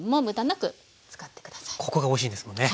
ここがおいしいんですもんね。